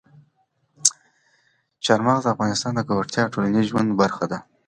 چار مغز د افغانانو د ګټورتیا او ټولنیز ژوند برخه ده.